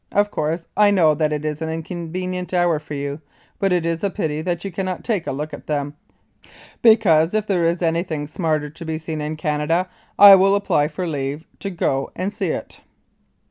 Of course, I know that that is an inconvenient hour for you, but it is a pity that you cannot take a look at them, because, if there is anything smarter to be seen in Canada I will apply for leave to go and see it."